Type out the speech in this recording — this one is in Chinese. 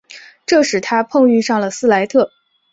这使他碰遇上了斯莱特。